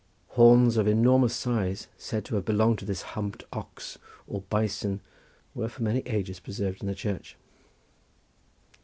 Horns of enormous size, said to have belonged to this humped ox or bison, were for many ages preserved in the church.